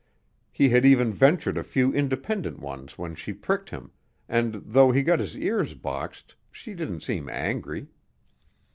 He had even ventured a few independent ones when she pricked him, and though he got his ears boxed, she didn't seem angry.